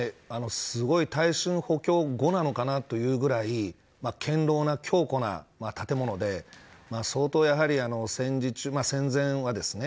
すごい耐震補強後なのかなというぐらい堅牢な建物で相当、戦前はですね